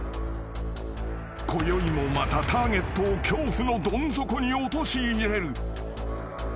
［こよいもまたターゲットを恐怖のどん底に陥れる］